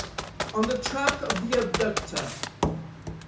ON THE TRACK OF THE ABDUCTOR.